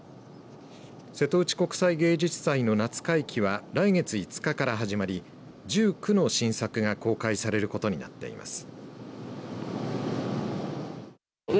瀬戸内国際芸術祭の夏会期は来月５日から始まり１９の新作が公開されることになっています。